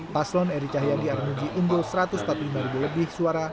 paslon eri cahyadi armuji unggul satu ratus empat puluh lima ribu lebih suara